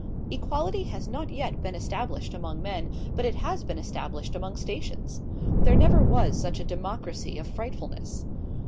Equality has not yet been established among men, but it has been established among stations. There never was such a democracy of frightfulness.